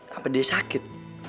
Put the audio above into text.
apa dia sakit